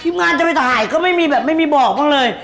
ทีมงานจะไปถ่ายไม่มีบอกบ้างเลย